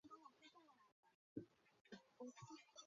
原来的名称反应了学会的两级系统。